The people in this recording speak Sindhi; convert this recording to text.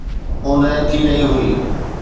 اوندهه ٿي رهي هئي.